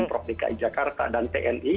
pemprov dki jakarta dan tni